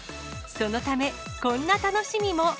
そのため、こんな楽しみも。